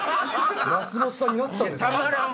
松本さんになったんですもん。